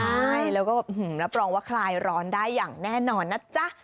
ใช่แล้วก็รับรองว่าคลายร้อนได้อย่างแน่นอนนะจ๊ะ